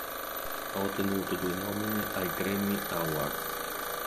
Ha ottenuto due nomine ai Grammy Awards.